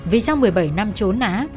vì sau một mươi bảy năm trốn ả